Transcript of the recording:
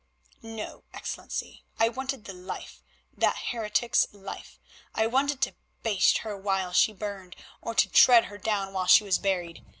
"No, Excellency. I wanted the life, that heretic's life. I wanted to baste her while she burned, or to tread her down while she was buried.